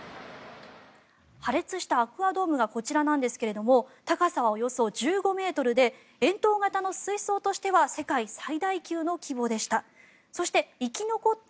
破裂したアクア・ドームがこちらなんですが高さはおよそ１５ｍで円筒型の水槽としては世界最大級の規模でした。